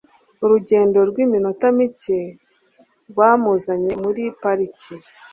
Urugendo rw'iminota mike rwamuzanye muri pariki.